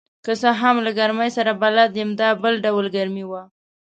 که څه هم له ګرمۍ سره بلد یم، دا بل ډول ګرمي وه.